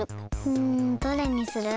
うんどれにする？